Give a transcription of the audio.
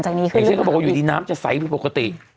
อย่างเช่นเขาบอกว่าน้ำจะใสพี่ปกติ